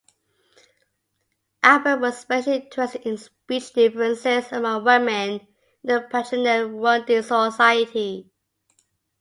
Albert was especially interested in speech differences among women in the patrilineal Rundi society.